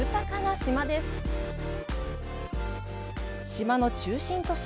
島の中心都市、